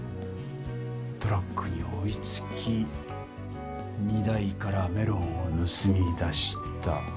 トラックに追いつき荷台からメロンをぬすみ出した。